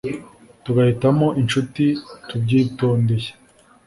tugahitamo inshuti tubyitondeye